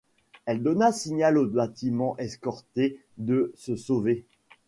Elle donna signal au bâtiment escorté de se sauver.